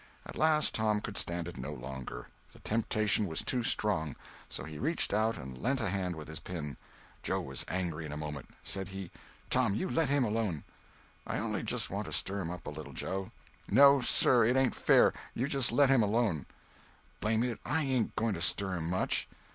At last Tom could stand it no longer. The temptation was too strong. So he reached out and lent a hand with his pin. Joe was angry in a moment. Said he: "Tom, you let him alone." "I only just want to stir him up a little, Joe." "No, sir, it ain't fair; you just let him alone." "Blame it, I ain't going to stir him much."